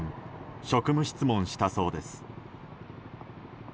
職務質問したそうです。